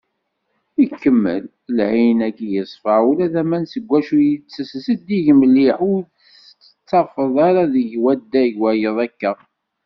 Ikemmel: "Lεin-agi yeṣfa, ula d aman seg wacu itess, zeddig mliḥ, ur t-ttafen ara deg wadeg-wayeḍ akka."